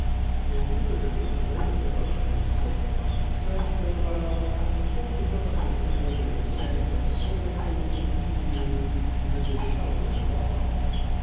The interpreter translated. The Bashkirs talked among themselves for a while. Pahom could not understand what they were saying, but saw that they were much amused, and that they shouted and laughed.